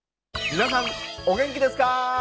皆さんお元気ですか！